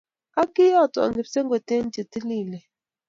Ak kiyatwa kipsengwet en che tililen